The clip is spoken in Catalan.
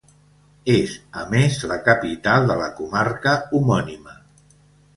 És a més, la capital de la comarca homònima.